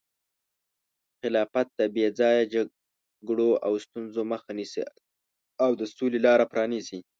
خلافت د بې ځایه جګړو او ستونزو مخه نیسي او د سولې لاره پرانیزي.